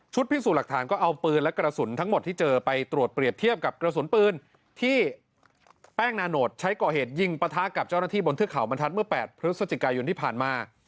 พิสูจน์หลักฐานก็เอาปืนและกระสุนทั้งหมดที่เจอไปตรวจเปรียบเทียบกับกระสุนปืนที่แป้งนาโนตใช้ก่อเหตุยิงปะทะกับเจ้าหน้าที่บนเทือกเขาบรรทัศน์เมื่อ๘พฤศจิกายนที่ผ่านมา